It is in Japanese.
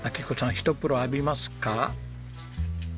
ひとっ風呂浴びますか。